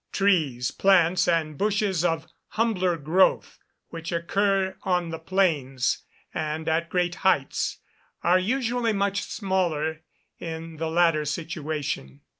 Trees, plants, and bushes, of humbler growth, which occur on the plains and at great heights, are usually much smaller in the latter situation.